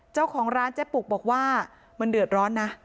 เจ้าของร้านเจ๊ปุกบอกว่ามันเดือดร้อนนะ